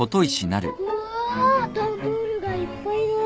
うわぁダンボールがいっぱいだ。